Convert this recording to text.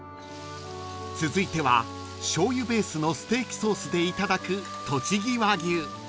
［続いてはしょうゆベースのステーキソースでいただくとちぎ和牛］